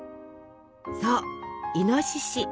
そうイノシシ！